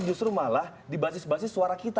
justru malah dibasis basis suara kita